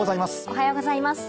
おはようございます。